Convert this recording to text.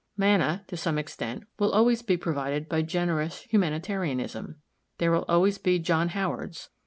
"Manna," to some extent, will always be provided by generous humanitarianism. There will always be John Howards.